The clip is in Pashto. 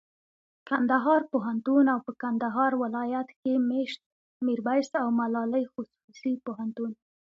کندهار پوهنتون او په کندهار ولایت کښي مېشت میرویس او ملالي خصوصي پوهنتون